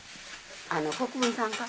あの国分さんか？